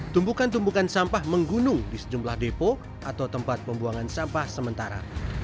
tumbukan tumpukan sampah menggunung di sejumlah depo atau tempat pembuangan sampah sementara